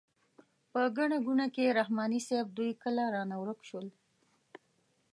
په ګڼه ګوڼه کې رحماني صیب دوی کله رانه ورک شول.